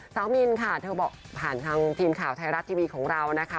มินค่ะเธอบอกผ่านทางทีมข่าวไทยรัฐทีวีของเรานะคะ